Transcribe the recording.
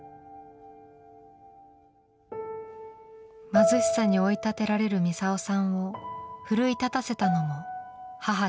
貧しさに追い立てられるミサオさんを奮い立たせたのも母でした。